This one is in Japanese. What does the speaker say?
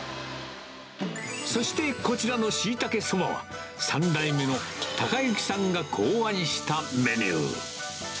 そしてこちらのしいたけそばは、３代目の孝之さんが考案したメニュー。